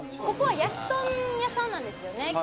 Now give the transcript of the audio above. ここはやきとん屋さんなんですよね